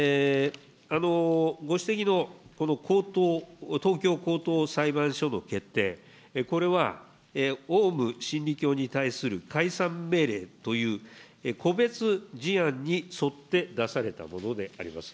ご指摘のこの東京高等裁判所の決定、これはオウム真理教に対する解散命令という個別事案に沿って出されたものであります。